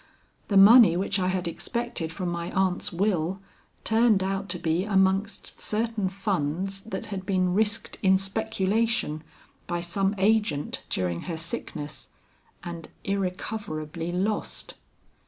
The money which I had expected from my aunt's will, turned out to be amongst certain funds that had been risked in speculation by some agent during her sickness, and irrecoverably lost.